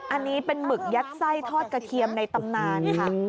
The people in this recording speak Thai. อันนี้เป็นหมึกยัดไส้ทอดกระเทียมในตำนานค่ะ